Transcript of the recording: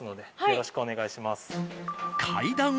よろしくお願いします。